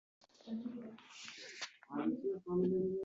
- Azizam, bugun kechki ovqatga nima bor?